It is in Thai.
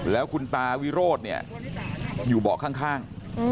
แล้วคุณตาวิโรธเนี่ยอยู่เบาะข้าง